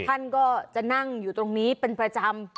ท่านก็จะนั่งอยู่ตรงนี้เป็นประจำ